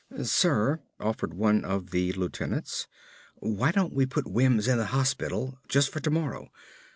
"Sir," offered one of the lieutenants, "why don't we put Wims in the hospital just for tomorrow.